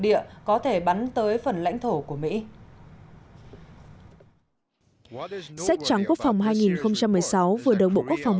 địa có thể bắn tới phần lãnh thổ của mỹ sách trắng quốc phòng hai nghìn một mươi sáu vừa được bộ quốc phòng